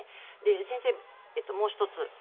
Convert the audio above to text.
先生、もう１つ。